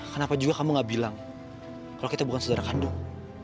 kenapa juga kamu gak bilang kalau kita bukan sejarah kandung